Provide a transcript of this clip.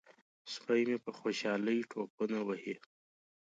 سپی مې په خوشحالۍ ټوپونه وهي.